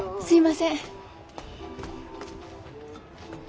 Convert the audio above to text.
すいません。